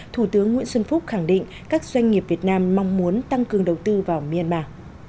thủ tướng nguyễn xuân phúc khẳng định các doanh nghiệp việt nam mong muốn tăng cường đầu tư vào myanmar